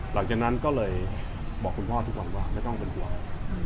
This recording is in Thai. หลังจากนั้นก็เลยบอกคุณพ่อทุกวันว่าไม่ต้องเป็นห่วง